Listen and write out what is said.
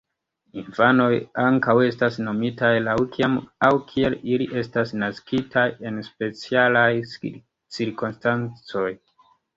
Infanoj ankaŭ estas nomitaj laŭ kiam aŭ kiel ili estas naskitaj en specialaj cirkonstancoj.